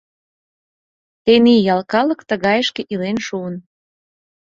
Тений ял калык тыгайышке илен шуын.